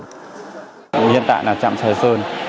hiện tại là trạm sài sơn